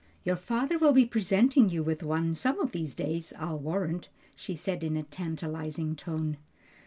"Your father will be presenting you with one some of these days, I'll warrant," she said in a tantalizing tone.